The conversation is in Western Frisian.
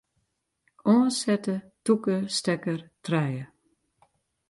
Oansette tûke stekker trije.